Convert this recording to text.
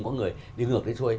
có người đi ngược đi xuôi